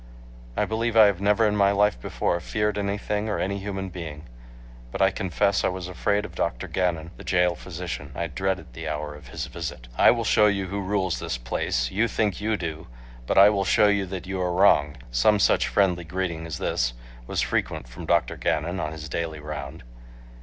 I believe I have never in my life before feared anything or any human being. But I confess I was afraid of Dr. Gannon, the jail physician. I dreaded the hour of his visit. "I will show you who rules this place. You think you do. But I will show you that you are wrong." Some such friendly greeting as this was frequent from Dr. Gannon on his daily round.